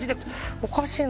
おかしいな。